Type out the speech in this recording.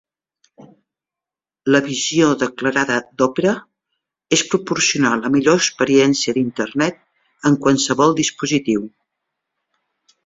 La visió declarada d'Opera és proporcionar la millor experiència d'Internet en qualsevol dispositiu.